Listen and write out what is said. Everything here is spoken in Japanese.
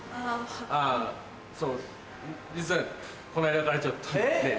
あそう実はこの間からちょっとねっ。